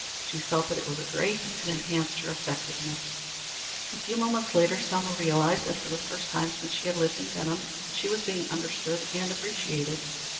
She felt that it was a grace and enhanced her effectiveness. A few moments later Selma realized that for the first time since she had lived in Benham she was being understood and appreciated.